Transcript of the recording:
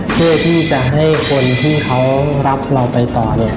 เพื่อที่จะให้คนที่เขารับเราไปต่อเนี่ย